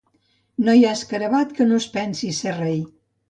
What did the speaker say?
No hi ha escarabat que no es pensi ser rei.